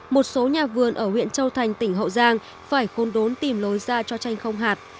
một số nhà vườn ở huyện châu thành tỉnh hậu giang phải khôn đốn tìm lối ra cho chanh không hạt